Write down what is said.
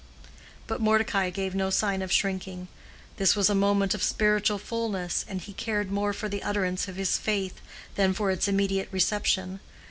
But Mordecai gave no sign of shrinking: this was a moment of spiritual fullness, and he cared more for the utterance of his faith than for its immediate reception.